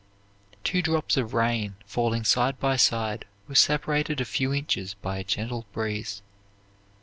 Two drops of rain, falling side by side, were separated a few inches by a gentle breeze.